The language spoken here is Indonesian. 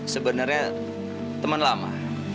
sebenarnya teman lama